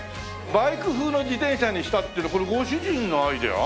バイク風の自転車にしたっていうのはこれご主人のアイデア？